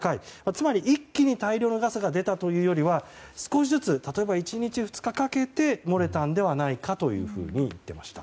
つまり、一気に大量のガスが出たというよりは少しずつ例えば、１日２日かけて漏れたのではないかというふうに言ってました。